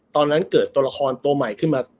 ตอนนั้นเกิดตัวละครตัวใหม่ขึ้นมา